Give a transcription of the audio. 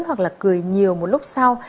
hoặc là cười nhiều một lúc sau